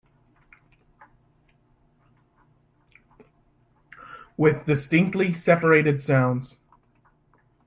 With distinctly separated sounds.